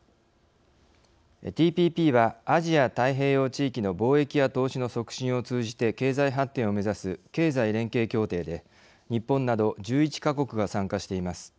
ＴＰＰはアジア太平洋地域の貿易や投資の促進を通じて経済発展を目指す経済連携協定で日本など１１か国が参加しています。